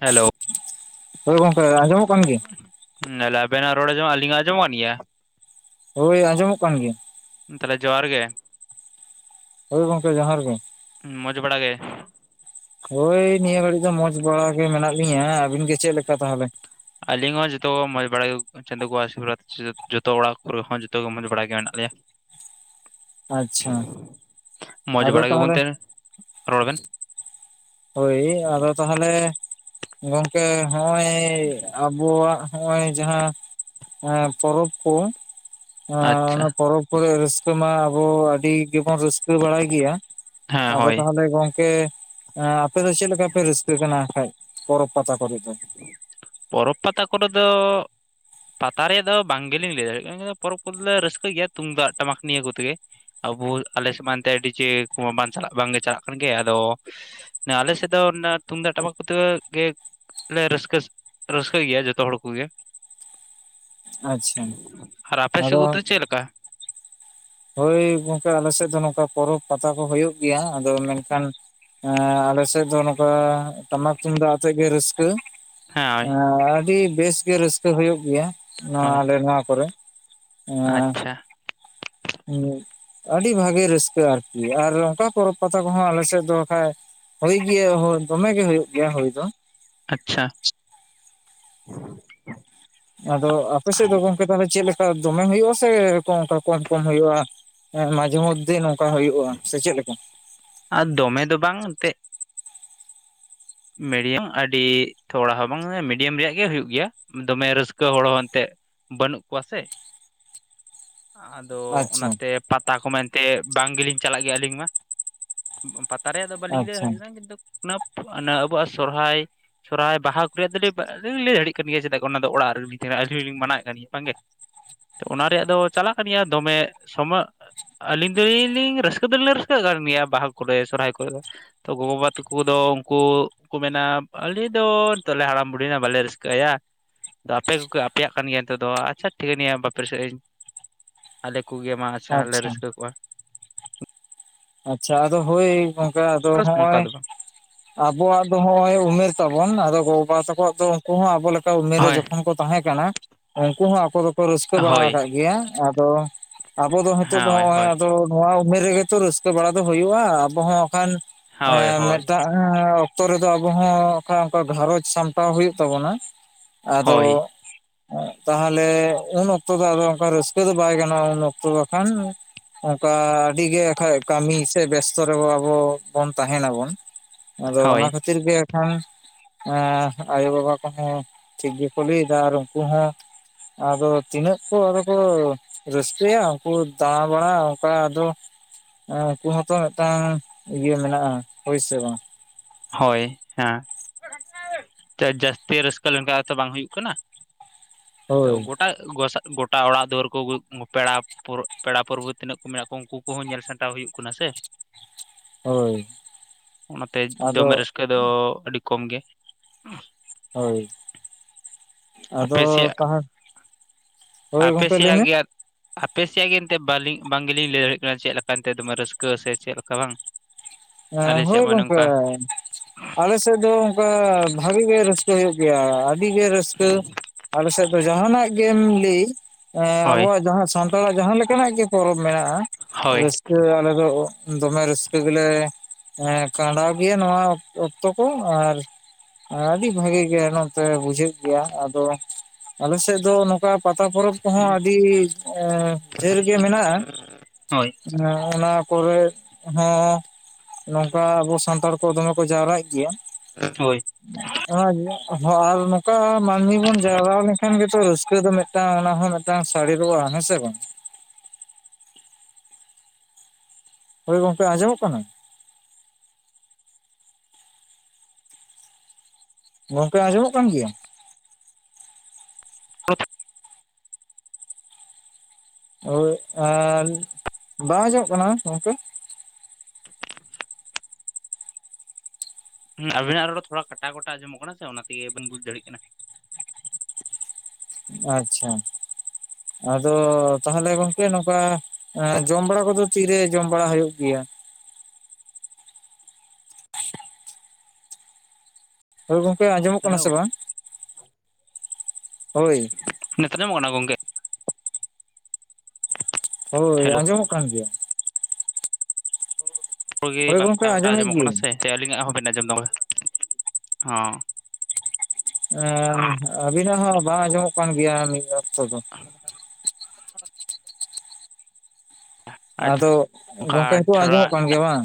Hello ᱦᱳᱭ ᱜᱚᱝᱠᱮ ᱟᱸᱡᱚᱢᱚᱜ ᱠᱟᱱ ᱜᱮᱭᱟ? ᱦᱩᱸ ᱟᱵᱮᱱᱟ ᱨᱚᱲ ᱟᱸᱡᱚᱢ ᱟᱞᱤᱧᱟ ᱟᱸᱡᱚᱢᱚᱜ ᱠᱟᱱ ᱜᱮᱭᱟ? ᱦᱳᱭ ᱟᱸᱡᱚᱢᱚᱜ ᱠᱟᱱ ᱜᱮᱭᱟ᱾ ᱛᱟᱦᱚᱞᱮ ᱡᱚᱦᱟᱨ ᱜᱮ ᱦᱳᱭ ᱜᱚᱝᱠᱮ ᱡᱚᱦᱟᱨ ᱜᱮ᱾ ᱢᱚᱡᱽ ᱵᱟᱲᱟ ᱜᱮ? ᱦᱳᱭ ᱱᱤᱭᱟᱹ ᱜᱷᱟᱹᱲᱤᱡ ᱫᱚ ᱢᱚᱡᱽ ᱵᱟᱲᱟ ᱜᱮ ᱢᱮᱱᱟᱜ ᱞᱤᱧᱟ᱾ ᱟᱹᱵᱤᱱ ᱜᱮ ᱪᱮᱫᱞᱮᱠᱟ ᱛᱟᱦᱚᱞᱮ? ᱟᱹᱞᱤᱧ ᱦᱚᱸ ᱡᱚᱛᱚ ᱢᱚᱡᱽ ᱵᱟᱲᱟᱜᱮ᱾ ᱪᱟᱸᱫᱚ ᱜᱚ-ᱟ ᱟᱹᱥᱤᱨᱵᱟᱫ ᱥᱮ ᱡᱚᱛᱚ ᱚᱲᱟᱜ ᱠᱚᱨᱮ ᱦᱚᱸ ᱡᱚᱛᱚ ᱢᱚᱡᱽ ᱵᱟᱲᱟ ᱜᱮ ᱢᱮᱱᱟᱜ ᱞᱮᱭᱟ᱾ ᱟᱪᱪᱷᱟ ᱢᱚᱡᱽ ᱟᱫᱚ ᱵᱟᱲᱟ ᱜᱮᱵᱚᱱ ᱛᱟᱦᱚᱞᱮ ᱛᱟᱦᱮᱸᱱ, ᱨᱚᱲ ᱵᱮᱱ? ᱦᱳᱭ ᱟᱫᱚ ᱛᱟᱦᱚᱞᱮ ᱜᱚᱝᱠᱮ ᱦᱚᱸᱜ-ᱚᱭ ᱟᱵᱚᱣᱟᱜ ᱦᱚᱸᱜ-ᱚᱭ ᱡᱟᱦᱟᱸ ᱮᱸ ᱯᱚᱨᱚᱵᱽ ᱠᱚ ᱟᱪᱪᱷᱟ ᱚᱱᱟ ᱯᱚᱨᱚᱵᱽ ᱠᱚᱨᱮ ᱨᱟᱹᱥᱠᱟᱹ ᱢᱟ ᱟᱵᱚ ᱟᱹᱰᱤ ᱜᱮᱵᱚᱱ ᱨᱟᱹᱥᱠᱟᱹ ᱵᱟᱲᱟᱭ ᱜᱮᱭᱟ᱾ ᱦᱮᱸ ᱟᱫᱚ ᱦᱳᱭ ᱛᱟᱦᱚᱞᱮ ᱜᱚᱝᱠᱮ ᱦᱮᱸ ᱟᱯᱮ ᱫᱚ ᱪᱮᱫ ᱞᱮᱠᱟ ᱯᱮ ᱨᱟᱹᱥᱠᱟᱹ ᱠᱟᱱᱟ ᱠᱷᱟᱡ, ᱯᱚᱨᱚᱵᱽ ᱯᱟᱛᱟ ᱠᱚᱨᱮ ᱫᱚ? ᱯᱚᱨᱚᱵᱽ ᱯᱟᱛᱟ ᱠᱚᱨᱮ ᱫᱚ ᱯᱟᱛᱟ ᱨᱮᱭᱟᱜ ᱫᱚ ᱵᱟᱝ ᱜᱮᱞᱤᱧ ᱞᱟᱹᱭ ᱫᱟᱲᱮᱭᱟᱜ ᱠᱟᱱᱟ ᱯᱚᱨᱚᱵᱽ ᱠᱚᱨᱮ ᱞᱮ ᱨᱟᱹᱥᱠᱟᱹᱭ ᱜᱮᱭᱟ ᱛᱩᱢᱫᱟᱜ, ᱴᱟᱢᱟᱠ, ᱱᱤᱭᱟᱹ ᱠᱚᱛᱮᱜᱮ ᱟᱵᱚ, ᱟᱞᱮ ᱥᱮᱫ ᱢᱟ ᱮᱱᱛᱮ ᱰᱤᱡᱮ ᱠᱚᱢᱟ ᱵᱟᱝ ᱪᱟᱞᱟᱜ ᱵᱟᱝᱜᱮ ᱪᱟᱞᱟᱜ ᱠᱟᱱ ᱜᱮ ᱟᱫᱚ ᱟᱞᱮ ᱥᱮᱫ ᱫᱚ ᱱᱟ ᱛᱩᱢᱫᱟᱜ ᱴᱟᱢᱟᱠ ᱠᱚᱛᱮ ᱜᱮᱞᱮ ᱨᱟᱹᱥᱠᱟᱹᱥ ᱨᱟᱹᱥᱠᱟᱹᱭ ᱜᱮᱭᱟ ᱡᱚᱛᱚ ᱦᱚᱲ ᱠᱚᱜᱮ᱾ ᱟᱪᱪᱷᱟ ᱟᱨ ᱟᱯᱮ ᱥᱮᱫ ᱟᱫᱚ ᱠᱚᱫᱚ ᱪᱮᱫ ᱞᱮᱠᱟ? ᱦᱳᱭ ᱜᱚᱝᱠᱮ ᱟᱞᱮ ᱥᱮᱫ ᱫᱚ ᱱᱚᱝᱠᱟ ᱯᱚᱨᱚᱵᱽ ᱯᱟᱛᱟ ᱠᱚ ᱦᱚᱭᱳᱜ ᱜᱮᱭᱟ ᱟᱫᱚ ᱢᱮᱱᱠᱷᱟᱱ ᱮᱸ ᱟᱞᱮᱥᱮᱫ ᱫᱚ ᱱᱚᱝᱠᱟ ᱴᱟᱢᱟᱠ ᱛᱩᱢᱫᱟᱜ ᱟᱛᱮᱜ ᱜᱮ ᱨᱟᱹᱥᱠᱟᱹ ᱦᱮᱸ ᱦᱳᱭ ᱮᱸ ᱟᱹᱰᱤ ᱵᱮᱥ ᱜᱮ ᱨᱟᱹᱥᱠᱟᱹ ᱦᱳᱭᱳᱜ ᱜᱮᱭᱟ, ᱱᱚᱣᱟ ᱦᱳᱭ ᱟᱞᱮ ᱱᱚᱣᱟ ᱠᱚᱨᱮ᱾ ᱟᱪᱪᱷᱟ᱾ ᱦᱮᱸ ᱟᱹᱰᱤ ᱵᱷᱟᱜᱮ ᱨᱟᱹᱥᱠᱟᱹ ᱟᱨᱠᱤ ᱟᱨ ᱚᱱᱠᱟ ᱯᱚᱨᱚᱵᱽ ᱯᱟᱛᱟ ᱠᱚᱦᱚᱸ ᱟᱞᱮ ᱥᱮᱫ ᱫᱚ ᱠᱷᱟᱡ ᱦᱳᱭ ᱜᱮᱭᱟ ᱦᱳᱭ ᱫᱚᱢᱮ ᱜᱮ ᱦᱳᱭᱳᱜ ᱜᱮᱭᱟ ᱦᱳᱭ ᱫᱚ᱾ ᱟᱪᱪᱷᱟ ᱟᱫᱚ ᱟᱯᱮ ᱥᱮᱫ ᱫᱚ ᱜᱚᱝᱠᱮ ᱛᱟᱦᱚᱞᱮ ᱪᱮᱫ ᱞᱮᱠᱟ ᱫᱚᱢᱮ ᱦᱩᱭᱩᱜ-ᱟ ᱥᱮ ᱚᱱᱠᱟ ᱠᱚᱢ ᱠᱚᱢ ᱦᱩᱭᱩᱜ-ᱟ? ᱦᱮᱸ ᱢᱟᱡᱷᱮ ᱢᱚᱫᱽᱫᱷᱮ ᱱᱚᱝᱠᱟ ᱦᱩᱭᱩᱜ-ᱟ ᱥᱮ ᱪᱮᱫ ᱞᱮᱠᱟ? ᱟᱨ ᱫᱚᱢᱮ ᱫᱚ ᱵᱟᱝ ᱮᱱᱛᱮ ᱢᱤᱰᱤᱭᱟᱢ ᱟᱹᱰᱤ ᱛᱷᱚᱲᱟ ᱦᱚᱸ ᱵᱟᱝ ᱢᱤᱰᱤᱭᱟᱢ ᱨᱮᱭᱟᱜ ᱜᱮ ᱦᱩᱭᱩᱜ ᱜᱮᱭᱟ᱾ ᱫᱚᱢᱮ ᱨᱟᱹᱥᱠᱟᱹ ᱦᱚᱲ ᱦᱚᱸ ᱮᱱᱛᱮ᱾ ᱵᱟᱹᱱᱩᱜ ᱠᱚᱣᱟ ᱥᱮ᱾ ᱟᱫᱚ ᱟᱪᱪᱷᱟ ᱚᱱᱟᱛᱮ ᱯᱟᱛᱟ ᱠᱚᱢᱟ ᱮᱱᱛᱮ ᱵᱟᱝ ᱜᱮᱞᱤᱧ ᱪᱟᱞᱟᱜ ᱜᱮᱭᱟ ᱟᱹᱞᱤᱧ ᱢᱟ᱾ ᱠᱟᱨᱮᱭᱟ ᱫᱚ ᱵᱟᱟᱹᱞᱤᱧ ᱞᱟᱹᱭ ᱟᱪᱪᱷᱟ ᱫᱟᱲᱮᱭᱟᱜ ᱠᱟᱱᱟ ᱠᱤᱱᱛᱩ ᱚᱱᱟ ᱚᱱᱟ ᱟᱵᱩᱣᱟᱜ ᱥᱚᱨᱦᱟᱭ᱾ ᱥᱚᱨᱦᱟᱭ, ᱵᱟᱦᱟ, ᱠᱚᱨᱮᱱᱟᱜ ᱫᱚᱞᱮ ᱞᱟᱹᱭ ᱫᱟᱲᱭᱟᱜ ᱠᱟᱱ ᱜᱮᱭᱟ ᱪᱮᱫᱟᱜ ᱚᱱᱟ ᱫᱚ ᱚᱲᱟᱜ ᱛᱟᱦᱮᱱᱟ ᱟᱹᱞᱤᱧ ᱦᱚᱸᱞᱤᱧ ᱢᱟᱱᱟᱮᱫ ᱠᱟᱱ ᱜᱮᱭᱟ ᱵᱟᱝ ᱜᱮ᱾ ᱚᱱᱟ ᱨᱮᱭᱟᱜ ᱫᱚ ᱪᱟᱞᱟᱜ ᱠᱟᱱ ᱜᱮᱭᱟ ᱫᱚᱢᱮ ᱥᱚᱢᱚ ᱟᱹᱞᱤᱧ ᱫᱚᱞᱤᱧ ᱨᱟᱹᱥᱠᱟᱹ ᱫᱚᱞᱤᱧ ᱨᱟᱹᱥᱠᱟᱹᱜ ᱠᱟᱱ ᱜᱮᱭᱟ, ᱵᱟᱦᱟ ᱠᱚᱨᱮ, ᱥᱚᱨᱦᱟᱭ ᱠᱚᱨᱮ ᱫᱚ᱾ ᱛᱚ ᱜᱚ-ᱵᱟᱵᱟ ᱛᱟᱠᱚ ᱫᱚ ᱩᱱᱠᱩ ᱩᱱᱠᱩ ᱠᱚ ᱢᱮᱱᱟ ᱟᱞᱮ ᱫᱚ ᱱᱤᱛᱚᱞᱮ ᱦᱟᱲᱟᱢᱼ ᱵᱩᱰᱷᱤᱱᱟ ᱵᱟᱞᱮ ᱨᱟᱹᱥᱠᱟᱹᱟᱭᱟ᱾ ᱟᱯᱮ ᱠᱚᱜᱮ ᱟᱯᱮᱭᱟᱜ ᱠᱟᱱ ᱜᱮᱭᱟ ᱱᱤᱛᱚᱜ ᱫᱚ ᱟᱪᱷᱟ ᱴᱷᱤᱠ ᱱᱤᱭᱟ. ᱵᱟᱯᱮ ᱨᱟᱹᱥᱠᱟᱹ ᱤᱧ᱾ ᱟᱞᱮ ᱠᱚᱜᱮ ᱢᱟ ᱟᱪᱪᱷᱟ ᱞᱮ ᱨᱟᱹᱥᱠᱟᱹ ᱠᱚᱜᱼᱟ᱾ ᱟᱪᱪᱷᱟ ᱟᱫᱚ ᱦᱳᱭ ᱜᱚᱝᱠᱮ ᱟᱫᱚ ᱚᱱᱠᱟ ᱱᱚᱜᱼᱚᱭ᱾ ᱫᱚ ᱵᱟᱝ ᱟᱵᱚᱣᱟᱜ ᱫᱚ ᱦᱚᱜ-ᱚᱭ ᱩᱢᱮᱨ ᱛᱟᱵᱚᱱ ᱟᱫᱚ ᱜᱚ-ᱵᱟᱵᱟ ᱛᱟᱠᱚᱣᱟᱜ ᱫᱚ ᱩᱱᱠᱩ ᱦᱚᱸ ᱟᱵᱚ ᱞᱮᱠᱟ ᱩᱢᱮᱨ ᱨᱮ ᱦᱳᱭ ᱡᱚᱠᱷᱚᱱ ᱠᱚ ᱛᱟᱦᱮᱸ ᱠᱟᱱᱟ, ᱩᱱᱠᱩ ᱦᱚᱸ ᱟᱠᱚ ᱫᱚ ᱠᱚ ᱨᱟᱹᱥᱠᱟᱹ ᱵᱟᱲᱟ ᱦᱳᱭ ᱟᱠᱟᱫ ᱜᱮᱭᱟ, ᱟᱫᱚ ᱟᱵᱚ ᱫᱚ ᱱᱤᱛᱚᱜ ᱫᱚ ᱦᱳᱭ ᱦᱚᱜ-ᱚᱭ ᱦᱳᱭ ᱟᱫᱚ᱾ ᱱᱚᱣᱟ ᱩᱢᱮᱨ ᱨᱮᱜᱮ ᱛᱚ ᱨᱟᱹᱥᱠᱟᱹ ᱵᱟᱲᱟ ᱫᱚ ᱦᱩᱭᱩᱜᱼᱟ, ᱟᱵᱚ ᱦᱚᱸᱠᱷᱟᱱ ᱦᱳᱭ ᱮᱸ ᱦᱳᱭ ᱢᱤᱫᱴᱟᱝ ᱮᱸ ᱚᱠᱛᱚ ᱨᱮᱫᱚ ᱟᱵᱚ ᱦᱚᱸ ᱚᱠᱟ ᱚᱱᱠᱟ ᱜᱷᱟᱨᱚᱡᱽ ᱥᱟᱢᱴᱟᱣ ᱦᱩᱭᱩᱜ ᱛᱟᱵᱚᱱᱟ᱾ ᱟᱫᱚ ᱦᱳᱭ ᱛᱟᱦᱚᱞᱮ ᱩᱱ ᱚᱠᱛᱚ ᱫᱚ ᱟᱫᱚ ᱚᱱᱠᱟ ᱨᱟᱹᱥᱠᱟᱹ ᱫᱚ ᱵᱟᱭ ᱜᱟᱱᱚᱜᱼᱟ ᱩᱱ ᱚᱠᱛᱚ ᱠᱷᱟᱱ᱾ ᱚᱱᱠᱟ ᱟᱹᱰᱤ ᱜᱮ ᱟᱠᱷᱟᱡ ᱠᱟᱹᱢᱤ ᱥᱮ ᱵᱮᱥᱛᱚ ᱨᱮ ᱟᱵᱚ ᱵᱚᱱ ᱛᱟᱦᱮᱱᱟᱵᱚᱱ, ᱟᱫᱚ ᱦᱳᱭ ᱚᱱᱟ ᱠᱷᱟᱹᱛᱤᱨ ᱜᱮ ᱠᱷᱟᱱ ᱮᱸ ᱟᱭᱳ ᱵᱟᱵᱟ ᱠᱚᱦᱚᱸ ᱴᱷᱤᱠ ᱜᱮᱠᱚ ᱞᱟᱹᱭᱮᱫᱟ ᱟᱨ ᱩᱱᱠᱩ ᱦᱚᱸ᱾ ᱟᱫᱚ ᱛᱤᱱᱟᱹᱜ ᱠᱚ ᱟᱫᱚ ᱠᱚ ᱨᱟᱹᱥᱠᱟᱹᱭᱟ ᱩᱱᱠᱩ ᱫᱟᱬᱟ ᱵᱟᱲᱟ ᱚᱱᱠᱟ ᱟᱫᱚ ᱩᱱᱠᱩ ᱦᱚᱸᱛᱚ ᱢᱤᱫᱴᱟᱝ ᱤᱭᱟᱹ ᱢᱮᱱᱟᱜᱼᱟ, ᱦᱳᱭ ᱥᱮ ᱵᱟᱝ? ᱦᱳᱭ ᱦᱮᱸ ᱡᱟᱹ ᱡᱟᱹᱥᱛᱤ ᱨᱟᱹᱥᱠᱟᱹ ᱞᱮᱱᱠᱷᱟᱱ ᱦᱚᱸᱛᱚ ᱵᱟᱝ ᱦᱩᱭᱩᱜ ᱠᱟᱱᱟ᱾ ᱛᱚ ᱦᱳᱭ ᱜᱚᱴᱟ ᱜᱚᱥᱟ ᱜᱚᱴᱟ ᱚᱲᱟᱜ ᱫᱩᱣᱟᱹᱨ ᱠᱚ ᱯᱮᱲᱟ᱾ ᱯᱚᱲᱚ ᱯᱮᱲᱟ ᱯᱚᱨᱵᱷᱩ ᱛᱤᱱᱟᱹᱜ ᱠᱚ ᱢᱮᱱᱟᱜ ᱠᱚᱣᱟ ᱩᱱᱠᱩ ᱠᱚᱦᱚᱸ ᱧᱮᱞ ᱥᱟᱢᱴᱟᱣ ᱦᱩᱭᱩᱜ ᱠᱟᱱᱟ ᱥᱮ᱾ ᱦᱳᱭ ᱟᱫᱚ ᱠᱮ ᱫᱚ ᱟᱹᱰᱤ ᱠᱚᱢ ᱜᱮ᱾ ᱦᱳᱭ ᱟᱯᱮ ᱟᱫᱚ ᱥᱮᱭᱟᱜ ᱛᱟᱦᱟ ᱟᱯᱮ ᱥᱮᱭᱟᱜ ᱜᱮᱭᱟᱫ ᱟᱯᱮ ᱥᱮᱭᱟᱜ ᱜᱮ ᱮᱱᱛᱮᱫ ᱵᱟᱞᱤᱧ ᱵᱟᱝ ᱜᱮᱞᱤᱧ ᱞᱟᱹᱭ ᱫᱟᱲᱮᱭᱟᱜ ᱠᱟᱱᱟ, ᱪᱮᱫ ᱞᱮᱠᱟ ᱚᱱᱛᱮ ᱫᱚᱢᱮ ᱨᱟᱹᱥᱠᱟᱹ ᱥᱮ ᱪᱮᱫ ᱞᱮᱠᱟ ᱵᱟᱝ? [inaudible] ᱮᱸ ᱟᱞᱮ ᱦᱳᱭ ᱥᱮᱫ ᱢᱟ ᱜᱚᱝᱠᱮ ᱱᱚᱝᱠᱟ ᱟᱞᱮ ᱥᱮᱫ ᱫᱚ ᱚᱱᱠᱟ ᱵᱷᱟᱜᱤ ᱜᱮ ᱨᱟᱹᱥ ᱠᱟᱹ ᱦᱩᱭᱩᱜ ᱜᱮᱭᱟ ᱟᱹᱰᱤ ᱜᱮ ᱨᱟᱹᱥᱠᱟᱹ, ᱟᱞᱮ ᱥᱮᱫ ᱫᱚ ᱡᱟᱦᱟᱱᱟᱜ ᱜᱮᱢ ᱞᱟᱹᱭ ᱮᱸ ᱦᱳᱭ ᱟᱵᱚᱣᱟᱜ ᱡᱟᱦᱟᱸ ᱥᱟᱱᱛᱟᱲᱟᱜ ᱡᱟᱦᱟᱸ ᱞᱮᱠᱟᱱᱟᱜ ᱜᱮ ᱯᱚᱨᱚᱵᱽ ᱢᱮᱱᱟᱜᱼᱟ ᱦᱳᱭ ᱨᱟᱹᱥᱠᱟᱹ ᱟᱞᱮ ᱫᱚ ᱫᱚᱢᱮ ᱨᱟᱹᱥᱠᱟᱹ ᱜᱮᱞᱮ᱾ ᱦᱮᱸ ᱠᱷᱟᱸᱰᱟᱣ ᱜᱮᱭᱟ ᱱᱚᱣᱟ ᱚᱠᱛᱚ ᱠᱚ ᱟᱨ ᱟᱰᱤ ᱵᱷᱟᱜᱤ ᱜᱮ ᱱᱚᱛᱮ ᱵᱩᱡᱷᱟᱹᱣᱟᱜ ᱜᱮᱭᱟ ᱟᱫᱚ ᱟᱞᱮ ᱥᱮᱫ ᱫᱚ᱾ ᱯᱟ ᱯᱟᱛᱟ ᱯᱚᱨᱚᱵᱽ ᱠᱚᱦᱚᱸ ᱟᱹᱰᱤ ᱮᱸ ᱡᱷᱟᱹᱞ ᱜᱮ ᱦᱳᱭ ᱢᱮᱱᱟᱜᱼᱟ ᱚᱱᱟ ᱠᱚᱨᱮ ᱦᱚᱸ᱾ ᱱᱚᱝᱠᱟ ᱟᱵᱚ ᱥᱟᱱᱛᱟᱲ ᱠᱚ ᱫᱚᱢᱮ ᱠᱚ ᱡᱟᱣᱨᱟᱜ ᱜᱮᱭᱟ᱾ ᱦᱳᱭ᱾ ᱟᱨ ᱦᱚᱸ ᱱᱚᱝᱠᱟ ᱢᱟᱹᱱᱢᱤ ᱵᱚᱱ ᱡᱟᱣᱨᱟ ᱞᱮᱠᱷᱟᱱ ᱜᱮᱛᱚ ᱨᱟᱹᱥᱠᱟᱹ ᱫᱚ ᱢᱤᱫ ᱢᱤᱫᱴᱟᱝ ᱚᱱᱟ ᱦᱚᱸ ᱢᱤᱫᱴᱟᱝ ᱥᱟᱹᱲᱤ ᱨᱚᱵᱟᱜ-ᱟ, ᱦᱮᱸ ᱥᱮ ᱵᱟᱝ? ᱦᱳᱭ ᱜᱚᱝᱠᱮ ᱟᱸᱡᱚᱢᱚᱜ ᱠᱟᱱᱟ? ᱜᱚᱝᱠᱮ ᱟᱸᱡᱚᱢᱚᱜ ᱠᱟᱱ ᱜᱮᱭᱟ? [inaudible] ᱦᱚᱭ ᱟᱨ ᱵᱟᱝ ᱟᱸᱡᱚᱢᱚᱜ ᱠᱟᱱᱟ ᱜᱚᱝᱠᱮ? [unintelligible] ᱦᱩᱸ ᱟᱵᱤᱱᱟᱜ ᱨᱚᱲ ᱛᱷᱚᱲᱟ ᱠᱟᱴᱟᱣ ᱠᱚᱴᱟᱣ ᱟᱸᱡᱚᱢᱚᱜ ᱠᱟᱱᱟ ᱥᱮ ᱚᱱᱟ ᱛᱮᱜᱮ ᱵᱟᱞᱤᱧ ᱵᱩᱡ ᱫᱟᱲᱮᱭᱟᱜ ᱠᱟᱱᱟ᱾ ᱟᱪᱪᱷᱟ ᱟᱫᱚ ᱛᱟᱦᱚᱞᱮ ᱜᱚᱝᱠᱮ ᱱᱚᱝᱠᱟ ᱡᱚᱢ ᱮᱸ ᱵᱟᱲᱟ ᱠᱚᱫᱚ ᱛᱤᱨᱮ ᱡᱚᱢ ᱵᱟᱲᱟ ᱦᱩᱭᱩᱜ ᱜᱮᱭᱟ? ᱦᱳᱭ ᱜᱚᱝᱠᱮ ᱟᱸᱡᱚᱢᱚᱜ ᱠᱟᱱᱟ ᱦᱮᱞᱳ ᱥᱮ ᱵᱟᱝ? ᱦᱳᱭ ᱱᱤᱛ ᱟᱸᱡᱚᱢᱚᱜ ᱠᱟᱱᱟ ᱜᱚᱝᱠᱮ? ᱦᱳᱭ ᱦᱮᱞᱳ ᱟᱸᱡᱚᱢᱚᱜ ᱠᱟᱱ ᱜᱮᱭᱟ᱾ ᱦᱲᱮ ᱦᱳᱭ ᱜᱚᱝᱠᱮ ᱵᱟᱝᱟ ᱜᱴᱟ ᱟᱸᱡᱚᱢᱮᱫ ᱟᱸᱡᱚᱢᱚᱜ ᱠᱟᱱᱟ ᱜᱤᱭᱟᱹᱧ ᱥᱮ ᱥᱮ ᱟᱹᱞᱤᱧᱟᱜ ᱦᱚᱸᱵᱮᱱ ᱟᱸᱡᱚᱢ ᱫᱟ ᱦᱚᱸ ᱮᱸ ᱟᱹᱵᱤᱱᱟᱜ ᱦᱚᱸ ᱵᱟᱝ ᱟᱸᱡᱚᱢᱚᱜ ᱠᱟᱱ ᱜᱮᱭᱟ ᱢᱤᱫ ᱚᱠᱛᱚ ᱫᱚ᱾ ᱟᱪᱪᱷᱟ ᱟᱫᱚ ᱚᱱᱠᱟ ᱜᱚᱝᱠᱮ ᱱᱤᱛᱚᱜ ᱛᱷᱚᱲᱟ ᱟᱸᱡᱚᱢᱚᱜ ᱠᱟᱱ ᱜᱮᱭᱟ ᱵᱟᱝ᱾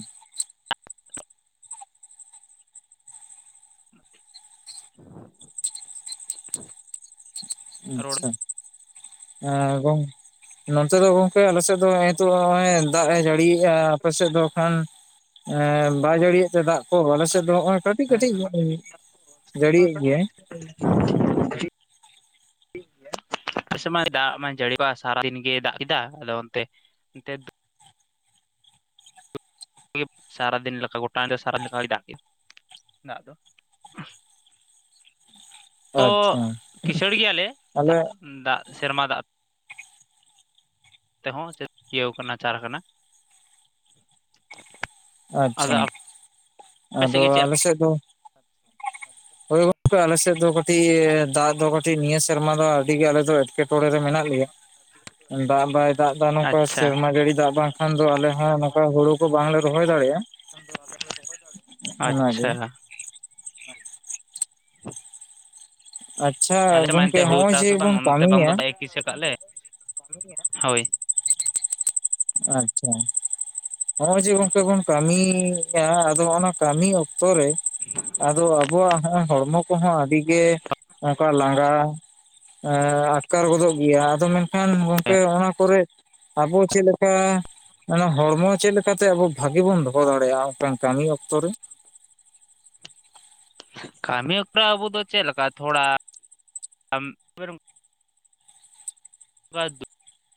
ᱨᱚᱲ ᱟᱪᱪᱷᱟ ᱮᱸ ᱜᱚᱝᱼᱼ ᱱᱚᱛᱮ ᱫᱚ ᱜᱚᱝᱠᱮ ᱟᱞᱮᱥᱮᱫ ᱫᱚ ᱱᱤᱛᱚᱜ ᱱᱚᱜᱚᱭ ᱫᱟᱜ ᱮ ᱡᱟᱹᱲᱤᱭᱮᱫᱼᱟ ᱟᱯᱮᱥᱮᱫ ᱫᱚ ᱠᱷᱟᱱ᱾ ᱮᱸ ᱵᱟᱭ ᱡᱟᱹᱲᱤᱭᱮᱫ ᱛᱮ ᱫᱟᱜ ᱠᱚ ᱟᱞᱮ ᱥᱮᱫ ᱫᱚ ᱱᱚᱜᱼᱚᱭ ᱠᱟᱹᱴᱤᱡ ᱠᱟᱹᱴᱤᱡ ᱟᱞᱮ ᱡᱟᱹᱲᱤᱭᱮᱫ ᱜᱮᱭᱟᱭ᱾ [unintelligible] ᱟ ᱢᱟ ᱫᱟᱜ ᱢᱟᱭ ᱡᱟᱹᱲᱤᱚᱜ ᱥᱟᱨᱟᱫᱤᱱ ᱜᱮᱭ ᱫᱟᱜ ᱠᱮᱫᱟ ᱟᱫᱚ ᱚᱱᱛᱮ ᱛᱮ᱾ ᱥᱟᱨᱟ ᱫᱤᱱ ᱞᱮᱠᱟ ᱜᱚᱴᱟ ᱧᱤᱱᱫᱟᱹ ᱥᱟᱨᱟ ᱫᱤᱱ ᱞᱮᱠᱟ ᱫᱟᱜ ᱠᱯᱫ ᱫᱟᱜ ᱫᱚ᱾ ᱛᱚ ᱟᱪᱪᱷᱟ ᱠᱤᱥᱟᱹᱲ ᱜᱮᱭᱟᱞᱮ ᱟᱞᱮ ᱫᱟᱜ ᱫᱟᱜ ᱥᱮᱨᱢᱟ ᱫᱟᱜ ᱛᱮᱦᱚᱸ ᱪᱮᱫ ᱤᱭᱟᱹᱣ ᱠᱟᱱᱟ ᱪᱟᱨ ᱠᱟᱱᱟ ᱟᱪᱪᱷᱟ ᱟᱫᱚ ᱟᱯᱮ ᱟᱫᱚ ᱥᱮᱫ ᱜᱮ ᱪᱮᱫ ᱟᱞᱮᱥᱮᱫ ᱫᱚ ᱦᱳᱭ ᱜᱚᱝᱠᱮ ᱟᱞᱮᱥᱮᱫ ᱫᱚ ᱠᱟᱹᱴᱤᱡ ᱫᱟᱜ ᱫᱚ ᱠᱟᱹᱴᱤᱡ ᱱᱤᱭᱟᱹ ᱥᱮᱨᱢᱟ ᱫᱚ ᱟᱹᱰᱤ ᱜᱮ ᱟᱞᱮ ᱫᱚ ᱮᱴᱠᱮᱴᱚᱬᱮ ᱨᱮ ᱢᱮᱱᱟᱜ ᱞᱮᱭᱟ᱾ [unintelligible] ᱫᱟᱜ ᱵᱟᱭ ᱫᱟᱜ ᱮᱫᱟ ᱱᱚᱝᱠᱟ ᱟᱪᱪᱷᱟ ᱥᱮᱨᱢᱟ ᱡᱟᱹᱲᱤ ᱫᱟᱜ ᱵᱟᱝᱠᱷᱟᱱ ᱫᱚ ᱟᱞᱮᱦ ᱱᱚᱝᱠᱟ ᱦᱩᱲᱩ ᱠᱚ ᱵᱟᱝᱞᱮ ᱨᱚᱦᱚᱭ ᱫᱟᱲᱮᱭᱟᱜᱼᱟ᱾ ᱚᱱᱟᱜᱮ ᱟᱪᱪᱷᱟ ᱟᱪᱪᱷᱟ ᱟᱞᱮ ᱢᱟ ᱮᱱᱛᱮ ᱜᱚᱝᱠᱮ ᱦᱩᱲᱩ ᱦᱚᱸᱜᱼᱚᱭ ᱪᱟᱥ ᱡᱮ ᱦᱚᱸ ᱵᱚᱱ ᱚᱱᱟᱛᱮ ᱵᱟᱝ ᱠᱟᱹᱢᱤᱭᱟ ᱫᱚ ᱫᱟᱜ ᱮ ᱠᱤᱥᱟᱹ ᱟᱠᱟᱫ ᱦᱳᱭ ᱟᱪᱪᱷᱟ ᱱᱚᱜᱼᱚᱭ ᱡᱮ ᱜᱚᱝᱠᱮ ᱵᱚᱱ ᱠᱟᱹᱢᱤᱭᱟ ᱟᱫᱚ ᱚᱱᱟ ᱠᱟᱹᱢᱤ ᱚᱠᱛᱚ ᱨᱮ᱾ ᱟᱫᱚ ᱟᱵᱚᱣᱟᱜ ᱦᱚᱲᱢᱚ ᱠᱚᱦᱚᱸ ᱟᱹᱰᱤ ᱜᱮ ᱚᱱᱠᱟ ᱞᱟᱸᱜᱟ᱾ ᱮᱸ ᱟᱴᱠᱟᱨ ᱜᱚᱫᱚᱜ ᱜᱮᱭᱟ ᱟᱫᱚ ᱢᱮᱱᱠᱷᱟᱱ ᱜᱚᱝᱠᱮ ᱚᱱᱟ ᱠᱚᱨᱮ ᱟᱵᱚ ᱪᱮᱫ ᱞᱮᱼᱼ ᱠᱟ ᱚᱱᱟ ᱦᱚᱲᱢᱚ ᱪᱮᱫ ᱞᱮᱠᱟᱛᱮ ᱟᱵᱚ ᱵᱷᱟᱜᱤ ᱵᱚᱱ ᱫᱚᱦᱚ ᱫᱟᱲᱮᱭᱟᱜᱼᱟ ᱚᱱᱠᱟᱱ ᱠᱟᱹᱢᱤ ᱚᱠᱛᱚ ᱨᱮ᱾ ᱠᱟᱹᱢᱤ ᱚᱠᱚᱛᱚ ᱟᱵᱚ ᱫᱚ ᱪᱮᱫ ᱞᱮᱠᱟ ᱛᱷᱚᱲᱟ ᱜᱟᱱ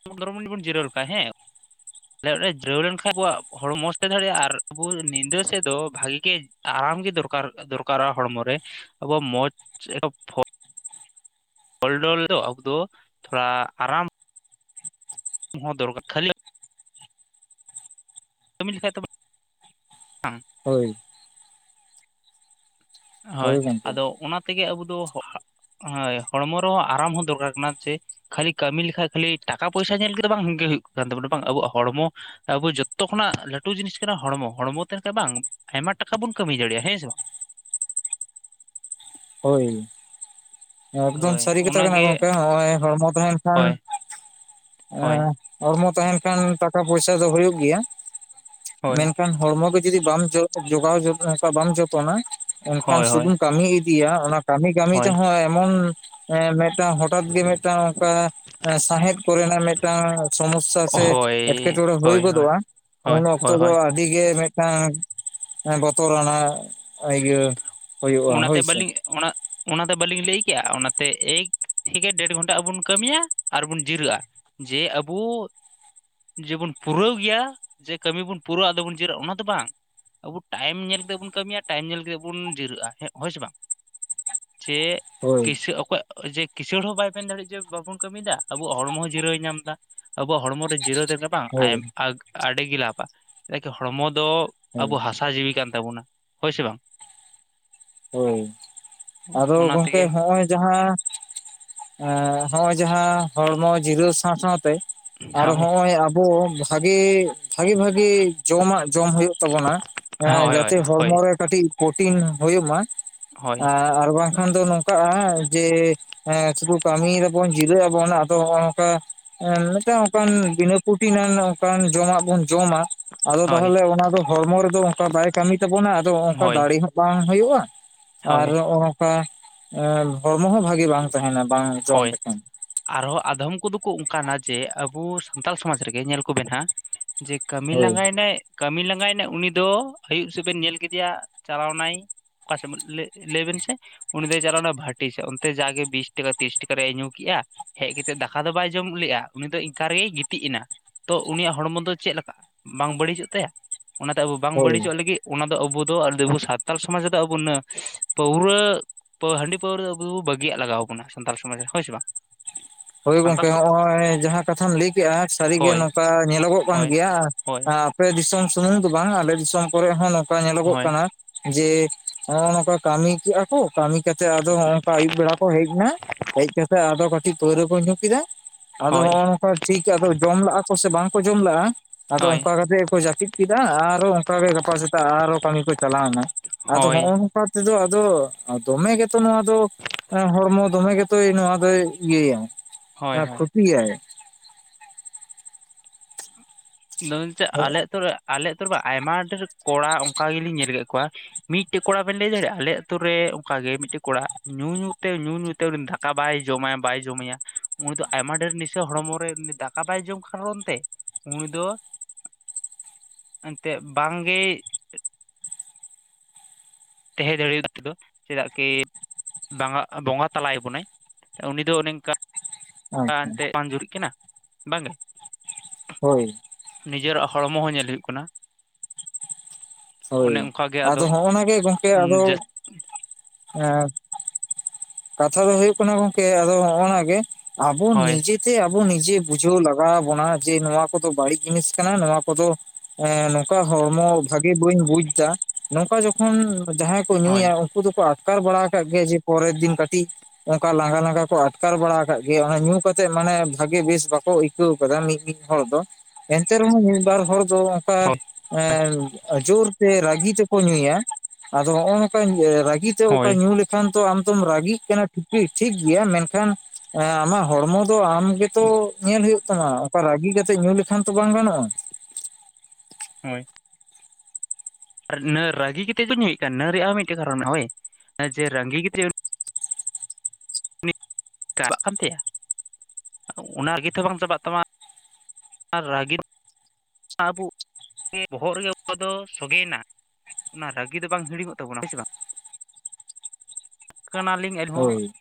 ᱚᱱ ᱯᱚᱱᱨᱚ ᱢᱤᱱᱤ ᱵᱚᱱ ᱡᱤᱨᱟᱹᱣ ᱞᱮᱠᱟ ᱦᱮᱸ ᱟᱮ ᱚᱸᱰᱮ ᱡᱩᱨᱟᱹᱣ ᱞᱮᱱᱠᱷᱟᱱᱡ ᱟᱵᱚᱣᱟᱜ ᱦᱚᱲ ᱢᱚᱡᱽ ᱛᱮ ᱫᱟᱲᱮᱭᱟᱜᱼᱟ ᱟᱨ ᱟᱵᱚ ᱧᱤᱫᱟᱹ ᱥᱮᱫ ᱫᱚ ᱵᱷᱟᱜᱤ ᱜᱮ᱾ ᱟᱨᱟᱢ ᱜᱮ ᱫᱚᱨᱠᱟᱨ ᱫᱚᱨᱠᱟᱨᱟ ᱦᱚᱲᱢᱚ ᱨᱮ ᱟᱵᱚ ᱢᱚᱸᱡᱽ [inaudible] ᱮ ᱚᱞᱰᱚᱞ ᱫᱚ ᱟᱵᱚ ᱫᱚ ᱛᱷᱚᱲᱟ ᱟᱨᱟᱢ᱾ [inaudible] [inaudible] ᱦᱳᱭ ᱦᱳᱭ ᱟᱫᱚ ᱚᱱᱟ ᱛᱮᱜᱮ ᱟᱵᱚ ᱫᱚ ᱦᱳᱭ ᱦᱚᱲᱢᱚ ᱨᱮᱦᱚᱸ ᱟᱨᱟᱢ ᱦᱚᱸ ᱫᱚᱨᱠᱟᱨ ᱠᱟᱱᱟ ᱡᱮ ᱠᱷᱟᱹᱞᱤ ᱠᱟᱹᱢᱤ ᱞᱮᱠᱷᱟᱡ ᱠᱷᱟᱹᱞᱤ ᱴᱟᱠᱟ ᱯᱚᱭᱥᱟ ᱧᱮᱞ ᱠᱮᱫ ᱵᱟᱝᱜᱮ ᱦᱩᱭᱩᱜ ᱠᱟᱱ ᱛᱟᱵᱚᱱᱟ ᱵᱟᱝ ᱟᱵᱚᱣᱟᱜ ᱦᱚᱲᱢᱚ ᱡᱚᱛᱚ ᱠᱷᱚᱱᱟᱜ ᱞᱟᱹᱴᱩ ᱡᱤᱱᱤᱥ ᱠᱟᱱᱟ ᱦᱚᱲᱢᱚ, ᱦᱚᱲᱢᱚ ᱛᱱᱠᱷᱟᱱ ᱵᱟᱝ ᱟᱭᱢᱟ ᱴᱟᱠᱟ ᱵᱚᱱ ᱡᱟᱹᱢᱤ ᱫᱟᱲᱮᱭᱟᱜ-ᱟ ᱦᱮᱸ ᱥᱮ ᱵᱟᱝ? ᱦᱳᱭ ᱮᱠᱫᱚᱢ ᱦᱳᱭ ᱥᱟᱹᱨᱤ ᱠᱟᱛᱷᱟ ᱠᱟᱱᱟ ᱚᱱᱟᱜᱮ ᱜᱚᱝᱠᱮ ᱱᱚᱜ-ᱚᱭ ᱦᱚᱲᱢᱚ ᱛᱟᱦᱮᱱ ᱠᱷᱟᱱ ᱦᱳᱭ ᱦᱳᱭ ᱦᱚᱲᱢᱚ ᱛᱟᱦᱮᱱ ᱠᱷᱟᱱ ᱴᱟᱠᱟ ᱯᱚᱭᱥᱟ ᱫᱚ ᱦᱩᱭᱩᱜ ᱜᱮᱭᱟ ᱦᱳᱭ ᱢᱮᱱᱠᱷᱟᱱ ᱦᱚᱲᱢᱚ ᱜᱮ ᱡᱩᱫᱤ ᱵᱟᱢ ᱡᱚᱜᱟᱣ ᱚᱱᱠᱟ ᱵᱟᱢ ᱡᱚᱛᱚᱱᱟ ᱮᱱᱠᱷᱟᱱ ᱦᱳᱭ ᱦᱳᱭ ᱥᱩᱫᱩᱢ ᱠᱟᱹᱢᱤ ᱤᱫᱤ ᱤᱫᱤᱭᱟ ᱚᱱᱟ ᱠᱟᱹᱢᱤ ᱠᱟᱹᱢᱤ ᱦᱳᱭ ᱛᱮᱦᱚᱸ ᱮᱢᱚᱱ ᱢᱤᱫᱴᱟᱝ ᱦᱚᱴᱟᱛ ᱜᱮ ᱢᱤᱫᱴᱟᱝ ᱚᱱᱠᱟ ᱥᱟᱸᱦᱮᱫ ᱠᱚᱨᱮᱱᱟᱜ ᱢᱤᱫᱴᱟᱝ ᱥᱚᱢᱚᱥᱥᱟ ᱥᱮ ᱮᱴᱠᱮᱴᱬᱮ ᱦᱩᱭ ᱦᱳᱭ ᱦᱳᱭ ᱦᱳᱭ ᱜᱚᱫᱚᱜ-ᱟ ᱦᱳᱭ ᱦᱳᱭ ᱛᱚᱵᱮ ᱦᱳᱭ ᱟᱹᱰᱤ ᱜᱮ ᱢᱤᱫᱴᱟᱝ ᱵᱚᱛᱚᱨᱱᱟᱜ ᱤᱭᱟᱹ ᱦᱩᱭᱩᱜᱼᱟ ᱚᱱᱟᱛᱮ ᱦᱳᱭ ᱥᱮ ᱵᱟᱹᱞᱤᱧ ᱚᱱᱟ ᱚᱱᱟᱛᱮ ᱵᱟᱹᱞᱤᱧ ᱞᱟᱹᱭ ᱠᱮᱜ-ᱟ ᱚᱱᱟᱛᱮ ᱮᱠ ᱴᱷᱤᱠ ᱜᱮᱭᱟ ᱰᱮᱲ ᱜᱷᱚᱱᱴᱟ ᱟᱵ ᱵᱚᱱ ᱠᱟᱹᱢᱤᱭᱟ ᱟᱨᱵᱚᱱ ᱡᱤᱨᱟᱹᱜ-ᱟ ᱡᱮ ᱟᱵᱚ ᱡᱮᱵᱚᱱ ᱯᱩᱨᱟᱹᱣ ᱜᱮᱭᱟ ᱡᱮ ᱠᱟᱹᱢᱤ ᱵᱚᱱ ᱯᱩᱨᱟᱹᱜ-ᱟ ᱟᱫᱚ ᱵᱚᱱ ᱡᱤᱨᱟᱹᱜ ᱚᱱᱟ ᱫᱚ ᱵᱟᱝ ᱟᱵᱚ ᱴᱟᱭᱤᱢ ᱧᱮᱞ ᱠᱟᱛᱮᱫ ᱵᱚᱱ ᱠᱟᱹᱢᱤᱭᱟ ᱴᱟᱭᱤᱢ ᱧᱮᱞ ᱠᱟᱛᱜ ᱵᱚᱱ ᱡᱤᱨᱟᱹᱜ-ᱟ᱾ ᱦᱮᱸ ᱦᱳᱭ ᱥᱮ ᱵᱟᱝ, ᱡᱮ ᱦᱳᱭ ᱠᱥᱟᱹ ᱚᱠᱚᱭᱟᱜ ᱡᱮ ᱠᱤᱥᱟᱹᱟᱹᱲ ᱦᱚᱸ ᱵᱟᱭ ᱢᱮᱱ ᱫᱟᱲᱮᱜ ᱡᱮ ᱵᱟᱵᱚᱱ ᱠᱟᱹᱢᱤ ᱫᱟ ᱟᱵᱚᱣᱟᱜ ᱦᱚᱲᱢᱚ ᱦᱚᱸ ᱡᱤᱨᱟᱹᱣ ᱧᱟᱢ ᱮᱫᱟ ᱟᱵᱚᱣᱟᱜ ᱦᱚᱲᱢᱚ ᱨᱮ ᱡᱤᱨᱟᱹᱣ ᱵᱟᱝ ᱦᱳᱭ ᱟᱹᱰᱤᱜᱮ ᱞᱟᱵᱷᱼᱟ ᱪᱮᱫᱟᱜ ᱠᱤ ᱦᱚᱲᱢᱚ ᱫᱚ ᱦᱳᱭ ᱟᱵᱚ ᱦᱟᱥᱟ ᱡᱤᱣᱤ ᱠᱟᱱ ᱛᱟᱵᱚᱱᱟ ᱦᱳᱭ ᱥᱮ ᱵᱟᱝ? ᱦᱳᱭ, ᱟᱫᱚ ᱚᱱᱟ ᱜᱚᱢᱠᱮ ᱛᱮᱜᱮ ᱱᱚᱜ-ᱚᱭ ᱡᱟᱦᱟᱸ ᱮᱸ ᱱᱚᱸᱜᱼᱚᱭ ᱡᱟᱦᱟ ᱦᱚᱲᱢᱚ ᱡᱤᱨᱟᱹᱣ ᱥᱟᱶ ᱥᱟᱶᱛᱮ ᱟᱨ ᱦᱳᱭ ᱦᱚᱸᱜ-ᱚᱭ ᱟᱵᱚ ᱵᱷᱟᱜᱤ, ᱵᱷᱟᱜᱤ ᱵᱷᱟᱜᱤ ᱡᱚᱢᱟᱜ ᱡᱚᱢ ᱦᱩᱭᱩᱜ ᱛᱟᱵᱚᱱᱟ ᱮᱸ ᱦᱳᱭ ᱦᱳᱭ ᱡᱟᱛᱮ ᱦᱚᱲᱢᱚ ᱨᱮ ᱠᱟᱹᱴᱤᱡ ᱯᱨᱚᱴᱤᱱ ᱦᱩᱭᱩᱜ ᱢᱟ ᱦᱳᱭ ᱟᱨ ᱵᱟᱝᱠᱷᱟᱱ ᱫᱚ ᱱᱚᱝᱠᱟᱜ-ᱟ ᱡᱮ ᱮᱸ ᱥᱩᱫᱷᱩ ᱠᱟᱹᱢᱤᱭ ᱫᱟᱵᱚᱱ ᱡᱤᱨᱟᱹᱜ ᱟᱵᱚᱱ ᱟᱫᱚ ᱱᱚᱜ-ᱚ ᱱᱚᱝᱠᱟ ᱮᱸ ᱢᱤᱫᱴᱟᱝ ᱚᱱᱠᱟᱱ ᱵᱤᱱᱟᱹ ᱯᱨᱚᱴᱤᱱᱟᱜ ᱚᱱᱠᱟᱱ ᱡᱚᱢᱟᱜ ᱵᱚᱱ ᱡᱚᱢᱟ ᱟᱫᱚ ᱦᱳᱭ ᱛᱟᱦᱚᱞᱮ ᱚᱱᱟ ᱫᱚ ᱦᱚᱲᱢᱚ ᱨᱮᱫᱚ ᱚᱱᱠᱟ ᱵᱟᱭ ᱠᱟᱹᱢᱤ ᱛᱟᱵᱚᱱᱟ ᱟᱫᱚ ᱚᱱᱠᱟ ᱦᱳᱭ ᱫᱟᱲᱮ ᱦᱚᱸ ᱵᱟᱝ ᱦᱩᱭᱩᱜ-ᱟ ᱟᱨ ᱦᱳᱭ ᱱᱚᱜ-ᱱᱚᱝᱠᱟ ᱮ ᱦᱚᱲᱢᱚ ᱦᱚᱸ ᱵᱷᱟᱜᱤ ᱵᱟᱝ ᱛᱟᱦᱮᱱᱟ ᱵᱟᱝ ᱡᱚᱢ ᱦᱳᱭ ᱞᱮᱠᱷᱟᱱ᱾ ᱟᱨᱦᱚᱸ ᱟᱫᱚᱢ ᱠᱚᱫᱚ ᱠᱚ ᱚᱱᱠᱟᱱᱟ ᱡᱮ, ᱟᱵᱚ ᱥᱟᱱᱛᱟᱞ ᱥᱚᱢᱟᱡᱽ ᱨᱮᱜᱮ ᱧᱮᱞ ᱠᱚᱵᱤᱱ ᱦᱟᱸᱜ ᱡᱮ ᱠᱟᱹᱢᱤ ᱦᱳᱭ ᱞᱟᱸᱜᱟᱭᱱᱟᱭ, ᱠᱟᱹᱢᱤ ᱞᱟᱸᱜᱟᱭᱱᱟᱭ ᱩᱱᱤ ᱫᱚ ᱟᱭᱩᱵ ᱥᱮᱜ ᱵᱤᱱ ᱧᱮᱞ ᱠᱮᱫᱮᱭᱟ ᱪᱟᱞᱟᱣᱱᱟᱭ ᱚᱠᱟ ᱥᱮᱜ ᱢᱟ ᱞᱮ-ᱞᱮᱭᱵᱮᱱ ᱥᱮ ᱩᱱᱤ ᱫᱚᱭ ᱪᱟᱞᱟᱣᱱᱟ ᱵᱷᱟᱴᱤ ᱥᱮᱜ ᱚᱱᱛᱮ ᱡᱟᱜᱮ ᱵᱤᱥ ᱴᱟᱠᱟ ᱵᱤᱥ ᱴᱟᱠᱟ ᱨᱮᱭᱟᱜ ᱮ ᱧᱩ ᱠᱮᱜ-ᱟ, ᱦᱮᱡ ᱠᱟᱛᱮᱜ ᱫᱟᱠᱟ ᱫᱚ ᱵᱟᱭ ᱡᱚᱢ ᱞᱮᱜ-ᱟ ᱩᱱᱤ ᱫᱚ ᱤᱱᱠᱟ ᱨᱮᱜᱮᱭ ᱜᱤᱛᱤᱡ ᱮᱱᱟ᱾ ᱛᱚ ᱩᱱᱤᱭᱟᱜ ᱦᱚᱲᱢᱚ ᱫᱚ ᱪᱮᱫ ᱞᱮᱠᱟ-ᱟ ᱵᱟᱝ ᱵᱟᱹᱲᱤᱡᱚᱜ ᱛᱟᱭᱟ? ᱚᱱᱟᱛᱮ ᱟᱵᱚ ᱵᱟᱝ ᱦᱳᱭ ᱵᱟᱹᱲᱤᱡᱚᱜ ᱞᱟᱹᱜᱤᱫ ᱚᱱᱟ ᱫᱚ ᱟᱵᱚ ᱫᱚ ᱟᱵᱚ ᱥᱟᱱᱛᱟᱞ ᱥᱚᱢᱟᱡ ᱨᱮᱫᱚ ᱟᱵᱚᱱᱟᱜ ᱯᱟᱹᱣᱨᱟᱹ‌ ᱦᱟᱺᱰᱤ ᱯᱟᱹᱣᱨᱟᱹ ᱟᱵᱚ ᱫᱚ ᱵᱟᱹᱜᱤᱭᱟᱜ ᱞᱟᱜᱟᱣ ᱟᱵᱚᱱᱟ ᱥᱟᱱᱛᱟᱲ ᱥᱚᱢᱟᱡᱽ ᱨᱮ ᱦᱳᱭ ᱥᱮ ᱵᱟᱝ? ᱦᱳᱭ ᱥᱟᱱᱛᱟᱲ ᱜᱚᱢᱠᱮ ᱱᱚᱜ-ᱚᱭ ᱡᱟᱦᱟᱸ ᱠᱟᱛᱷᱟᱢ ᱞᱮᱭ ᱠᱮᱜ-ᱟ ᱥᱟᱹᱨᱤ ᱜᱮ ᱦᱳᱭ ᱱᱚᱝᱠᱟ ᱧᱮᱞᱚᱜᱚᱜ ᱠᱟᱱ ᱦᱳᱭ ᱜᱮᱭᱟ ᱦᱳᱭ ᱟᱯᱮᱭᱟᱜ ᱫᱤᱥᱚᱢ ᱥᱩᱢᱩᱝ ᱫᱚ ᱵᱟᱝ ᱟᱞᱮ ᱫᱤᱥᱚᱢ ᱠᱚᱨᱮ ᱦᱚᱸ ᱱᱚᱝᱠᱟ ᱧᱮᱞᱚᱜᱚᱜ ᱦᱳᱭ ᱠᱟᱱᱟ ᱡᱮ ᱱᱚᱜ-ᱚ ᱱᱚᱝᱠᱟ ᱠᱟᱹᱢᱤ ᱠᱮᱜᱼᱟ ᱠᱚ ᱠᱟᱹᱢᱤ ᱠᱟᱛᱮᱜ ᱟᱫᱚ ᱱᱚᱜᱼᱚ ᱱᱚᱝᱠᱟ ᱟᱹᱭᱩᱵ ᱵᱮᱲᱟ ᱠᱚ ᱦᱮᱡᱱᱟ ᱦᱮᱡ ᱠᱟᱛᱮ‌ ᱟᱫᱚ ᱠᱟᱹᱴᱤᱡ ᱯᱟᱹᱣᱨᱟᱹ ᱠᱚ ᱧᱩ ᱠᱮᱫᱟ ᱟᱫᱚ ᱦᱳᱭ ᱱᱚᱜ-ᱚ ᱱᱚᱝᱠᱟ ᱴᱷᱤᱠ ᱟᱫᱚ ᱡᱚᱢ ᱞᱟᱜ ᱠᱚ ᱥᱮ ᱵᱟᱝ ᱠᱚ ᱡᱚᱢ ᱞᱟᱜ-ᱟ ᱟᱫᱚ ᱦᱳᱭ ᱚᱝᱠᱟ ᱠᱟᱛᱮᱜᱮᱠᱚ ᱡᱟᱹᱯᱤᱫ ᱠᱮᱫᱟ ᱟᱨᱚ ᱚᱱᱠᱟᱜᱮ ᱜᱟᱯᱟ ᱥᱮᱛᱟᱜ ᱟᱨᱚ ᱠᱟᱹᱢᱤ ᱠᱚ ᱪᱟᱞᱟᱣ ᱮᱱᱟ᱾ ᱟᱫᱚ ᱦᱳᱭ ᱱᱚᱜᱼᱚ ᱱᱚᱝᱠᱟ ᱛᱮᱫᱚ ᱟᱫᱚ ᱫᱚᱢᱮ ᱜᱮᱛᱚ ᱱᱚᱣᱟ ᱫᱚ ᱦᱚᱲᱢᱚ ᱫᱚᱢᱮ ᱜᱮᱛᱚᱭ ᱱᱚᱣᱟ ᱫᱚᱭ ᱤᱭᱟᱹᱭᱟᱭ ᱦᱳᱭ ᱦᱳᱭ ᱠᱷᱚᱛᱤᱭᱟᱭ᱾ [unintelligible] ᱟᱞᱮ ᱟᱛᱩᱨᱮ, ᱟᱞᱮ ᱟᱹᱛᱩᱨᱮᱢᱟ ᱟᱭᱢᱟ ᱰᱷᱟᱹᱨ ᱠᱚᱲᱟ ᱚᱱᱠᱟ ᱜᱮᱞᱤᱧ ᱧᱮᱞ ᱠᱮᱫ ᱠᱚᱣᱟ ᱢᱤᱫᱴᱮᱡ ᱠᱚᱲᱟ ᱵᱮᱱ ᱞᱮᱭ ᱫᱟᱲᱮᱜᱼᱟ ᱟᱞᱮ ᱟᱛᱩᱨᱮ ᱚᱱᱠᱟᱜᱮ ᱢᱤᱫᱴᱮᱡ ᱠᱚᱲᱟ ᱧᱩ ᱧᱩ ᱛᱮ ᱧᱩ ᱧᱩ ᱛᱮ ᱫᱟᱜ ᱠᱟ ᱵᱟᱭ ᱡᱚᱢᱟ ᱵᱟᱭ ᱡᱚᱢᱮᱭᱟ ᱩᱱᱤ ᱫᱚ ᱟᱭᱢᱟ ᱰᱷᱮᱨ ᱱᱮᱥᱟ ᱦᱚᱲᱢᱚ ᱨᱮ ᱩᱱᱤ ᱫᱟᱠᱟ ᱵᱟᱭ ᱡᱚᱢ ᱠᱟᱨᱚᱱᱛᱮ ᱩᱱᱤ ᱫᱚ ᱮᱱᱛᱮᱜ ᱵᱟᱝᱜᱮᱭ ᱛᱟᱦᱮᱸ ᱫᱟᱲᱮᱭᱟᱜ ᱛᱮᱫᱚ ᱪᱮᱫᱟᱜ ᱠᱤ ᱵᱟᱝᱟᱜ ᱵᱚᱸᱜᱟ ᱛᱟᱞᱟᱭᱮᱜ ᱵᱚᱱᱟᱭ ᱩᱱᱤ ᱫᱚ ᱚᱱᱮ ᱚᱝᱠᱟ ᱟᱪᱪᱷᱟ [inaudible] ᱡᱩᱨᱤᱜ ᱠᱟᱱᱟ ᱵᱟᱝᱜᱮ᱾ ᱦᱳᱭ ᱱᱤᱡᱮᱨᱟᱜ ᱦᱚᱲᱢᱚ ᱦᱚᱸ ᱧᱮᱞ ᱦᱩᱭᱩᱜ ᱠᱟᱱᱟ᱾ ᱦᱳᱭ ᱚᱱᱮ ᱚᱱᱠᱟᱜᱮ ᱟᱫᱚ ᱱᱚᱜᱼᱚᱱᱟ ᱜᱮ ᱜᱚᱝᱠᱮ ᱟᱫᱚ ᱡᱟᱹᱥ ᱮᱸ ᱠᱟᱛᱷᱟ ᱫᱚ ᱦᱩᱭᱩᱜ ᱠᱟᱱᱟ ᱜᱚᱝᱠᱮ ᱟᱫᱚ ᱱᱚᱜᱼᱚᱱᱟᱜᱮ ᱟᱵᱚ ᱦᱳᱭ ᱱᱤᱡᱮ ᱛᱮ ᱟᱵᱚ ᱱᱤᱡᱮ ᱵᱩᱡᱷᱟᱹᱣ ᱞᱟᱜᱟᱣ ᱟᱵᱚᱱᱟ ᱡᱮ ᱱᱚᱣᱟ ᱠᱚᱫᱚ ᱵᱟᱹᱲᱤᱡ ᱡᱤᱱᱤᱥ ᱠᱟᱱᱟ ᱱᱚᱣᱟ ᱠᱚᱫᱚ ᱮᱸ ᱱᱚᱝᱠᱟ ᱦᱚᱲᱢᱚ ᱵᱷᱟᱜᱮ ᱵᱟᱹᱧ ᱵᱩᱡᱽᱼᱫᱟ ᱱᱚᱝᱠᱟ ᱡᱚᱠᱷᱚᱱ ᱡᱟᱦᱟᱸᱭ ᱠᱚ ᱦᱳᱭ ᱧᱩᱭᱟ ᱩᱱ ᱠᱩ ᱫᱚᱠᱚ ᱟᱴᱠᱟᱨ ᱵᱟᱲᱟ ᱠᱟᱜ ᱜᱮᱭᱟ ᱡᱮ ᱯᱚᱨᱮᱨ ᱫᱤᱱ ᱠᱟᱹᱴᱤᱡ ᱚᱱᱠᱟ ᱞᱟᱸᱜᱟ ᱞᱟᱸᱜᱟ ᱠᱚ ᱟᱴᱠᱟᱨ ᱵᱟᱲᱟ ᱠᱟᱜ ᱜᱮᱭᱟ ᱚᱱᱟ ᱧᱩ ᱠᱟᱛᱮᱜ ᱢᱟᱱᱮ ᱵᱷᱟᱜᱤ ᱵᱮᱥ ᱵᱟᱠᱚ ᱟᱹᱭᱠ ᱠᱟᱹᱣ ᱠᱟᱫᱟ ᱢᱤᱫ ᱢᱤᱫ ᱦᱚᱲ ᱫᱚ ᱮᱱᱛᱮ ᱨᱮᱦᱚᱸ ᱢᱤᱫ ᱵᱟᱨ ᱦᱚᱲ ᱛᱚ ᱚᱱᱠᱟ ᱦᱳᱭ ᱮᱸ ᱡᱳᱨ ᱛᱮ ᱨᱟᱹᱜᱤ ᱛᱮ ᱠᱚ ᱧᱩᱭᱟ ᱟᱫᱚ ᱱᱚᱜᱼᱚᱭ ᱱᱚᱝᱠᱟ ᱨᱟᱹᱜᱤ ᱛᱮ ᱚᱠᱟ ᱦᱳᱭ ᱧᱩ ᱞᱮᱠᱷᱟᱱ ᱛᱚ ᱟᱢᱛᱚᱢ ᱨᱟᱹᱜᱤᱜ ᱠᱟᱱᱟ ᱴᱷᱤᱠᱤ, ᱴᱷᱤᱠ ᱜᱮᱭᱟ ᱢᱮᱱᱠᱷᱟᱱ ᱮᱸ ᱟᱢᱟᱜ ᱦᱚᱲᱢᱚ ᱫᱚ ᱟᱢ ᱜᱮᱛᱚ ᱧᱮᱞ ᱦᱩᱭᱩᱜ ᱛᱟᱢᱟ ᱚᱱᱠᱟ ᱨᱟᱹᱜᱤ ᱠᱟᱛᱮᱜ ᱧᱩ ᱞᱮᱠᱷᱟᱱ ᱛᱚ ᱵᱟᱝ ᱜᱟᱱᱚᱜᱼᱟ᱾ ᱦᱳᱭ ᱟᱨ ᱱᱟᱹ ᱨᱟᱸᱟᱹᱜᱤ ᱠᱟᱛᱮᱜ ᱠᱚ ᱧᱩᱭᱮᱫ ᱠᱟᱱ ᱱᱟᱹ ᱨᱮᱭᱟᱜ ᱦᱚᱸ ᱢᱤᱫ ᱴᱮᱡ ᱠᱟᱨᱚᱱ ᱢᱮᱱᱟᱜᱟ ᱦᱳᱭ ᱡᱮ ᱨᱟᱹᱜᱤ ᱠᱟᱛᱮᱜ ᱪᱟᱞᱟᱜ ᱠᱟᱱ ᱛᱟᱭᱟ ᱚᱱᱟᱜᱮ ᱛᱚ ᱵᱟᱝ ᱪᱟᱵᱟᱜ ᱛᱟᱢᱟ᱾ ᱨᱟᱹᱜᱤ ᱟᱵᱚ ᱵᱚᱦᱚᱜ ᱨᱮ ᱜᱮ ᱚᱱᱟ ᱫᱚ ᱥᱚᱜᱮᱭ ᱱᱟ ᱚᱱᱟ ᱨᱟᱹᱜᱤ ᱫᱚ ᱵᱟᱝ ᱦᱤᱲᱤᱧᱚᱜ ᱛᱟᱵᱚᱱᱟ ᱦᱳᱭ ᱥᱮ ᱵᱟᱝ ᱠᱟᱱᱟᱞᱤᱧ ᱦᱚᱸ ᱦᱳᱭ